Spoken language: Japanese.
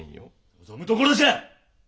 望むところじゃ！